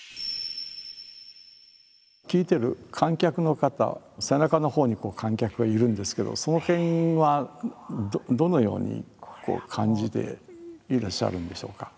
聴いてる観客の方背中のほうに観客がいるんですけどその辺はどのように感じていらっしゃるんでしょうか？